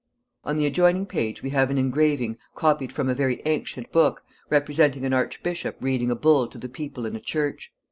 On the adjoining page we have an engraving, copied from a very ancient book, representing an archbishop reading a bull to the people in a church.